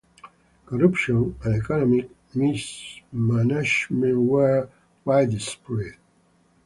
Corruption and economic mismanagement were widespread.